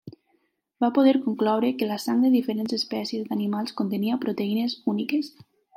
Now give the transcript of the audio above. Va poder concloure que la sang de diferents espècies d'animals contenia proteïnes úniques.